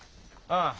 ああ。